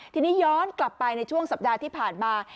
ทีนี้ย้อนกลับไปในช่วงสัปดาห์ที่ผ่านมา